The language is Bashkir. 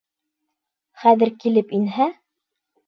Хәҙер килеп инһә...